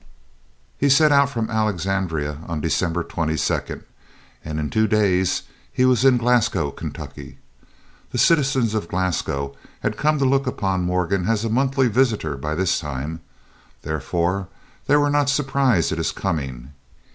He set out from Alexandria, on December 22, and in two days he was in Glasgow, Kentucky. The citizens of Glasgow had come to look upon Morgan as a monthly visitor by this time; therefore they were not surprised at his coming.